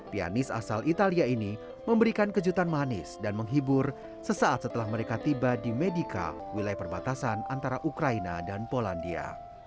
pianis asal italia ini memberikan kejutan manis dan menghibur sesaat setelah mereka tiba di medica wilayah perbatasan antara ukraina dan polandia